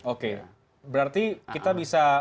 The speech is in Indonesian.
oke berarti kita bisa